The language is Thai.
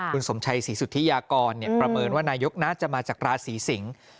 คุณสมชัยศรีสุธิยากรประเมินว่านายกน่าจะมาจากราศีสิงศ์